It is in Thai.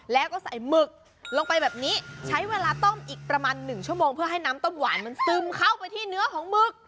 แล้วฉันกูน้ำลายแล้วก็